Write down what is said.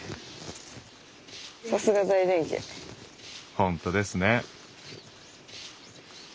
本当ですね。